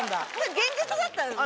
現実だったんですね。